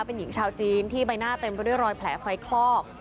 เป็นหญิงชาวจีนที่ใบหน้าเต็มไปด้วยรอยแผลไฟคลอก